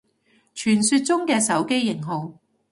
傳說中嘅手機型號